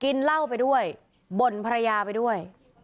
กินเหล้าไปด้วยบ่นภรรยาไปด้วย